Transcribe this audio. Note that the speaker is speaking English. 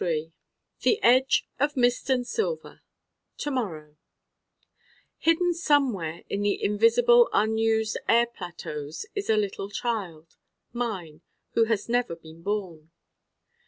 The edge of mist and silver To morrow Hidden somewhere in the invisible unused air plateaus is a little Child: mine: who has never been born.